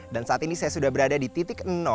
dan saat ini saya sudah berada di titik